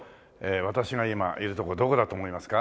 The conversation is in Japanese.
私が今いる所どこだと思いますか？